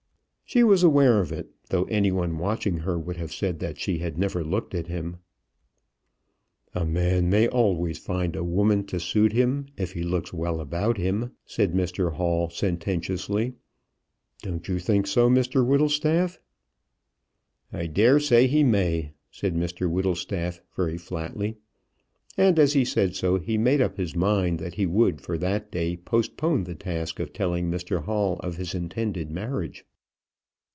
She was aware of it, though any one watching her would have said that she had never looked at him. "A man may always find a woman to suit him, if he looks well about him," said Mr Hall, sententiously. "Don't you think so, Whittlestaff?" "I dare say he may," said Mr Whittlestaff, very flatly. And as he said so he made up his mind that he would, for that day, postpone the task of telling Mr Hall of his intended marriage.